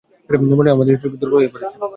মনে হয় আমার দৃষ্টিশক্তি দুর্বল হয়ে পড়েছে।